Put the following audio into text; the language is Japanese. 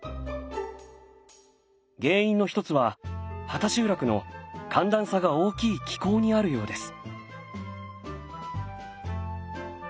原因の一つは畑集落の寒暖差が大きい気候にあるようです。